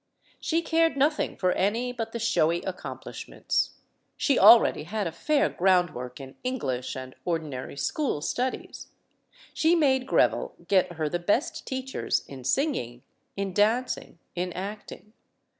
She cared nothing for any but the showy accomplishments. She already had a fair groundwork in English and ordinary school studies. She made Greville get her the best teachers in singing, in danc ing, in acting.